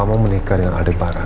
kamu menikah dengan adik baran